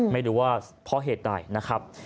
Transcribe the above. ไม่รู้ว่าเพราะเหตุใดนะครับ